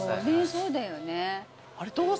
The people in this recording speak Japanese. そうだよね。